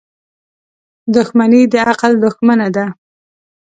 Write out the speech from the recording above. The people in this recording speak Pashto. • دښمني د عقل دښمنه ده.